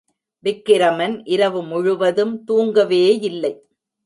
விக்கிரமன் இரவு முழுவதும் தூங்கவேயில்லை.